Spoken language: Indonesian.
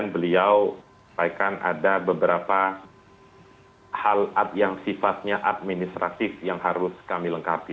beliau sampaikan ada beberapa hal yang sifatnya administratif yang harus kami lengkapi